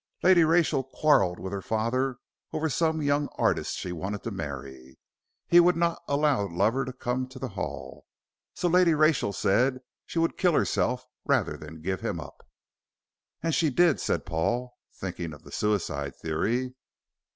Lady Rachel quarrelled with her father over some young artist she wanted to marry. He would not allow the lover to come to the Hall, so Lady Rachel said she would kill herself rather than give him up." "And she did," said Paul, thinking of the suicide theory.